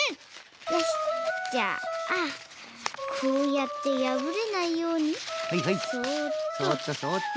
じゃあこうやってやぶれないようにそっとそっと。